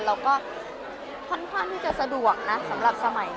เราก็ค่อนข้างที่จะสะดวกนะสำหรับสมัยนี้